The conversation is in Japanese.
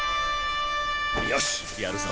よしやるぞ！